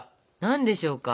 何でしょうか？